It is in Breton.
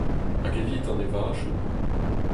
Hag evit an evajoù ?